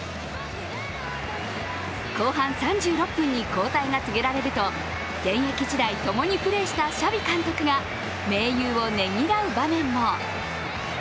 後半３６分に交代が告げられると現役時代、ともにプレーしたシャビ監督が盟友をねぎらう場面も。